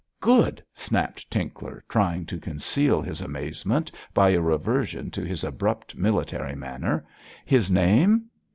'Good!' snapped Tinkler, trying to conceal his amazement by a reversion to his abrupt military manner. 'His name?'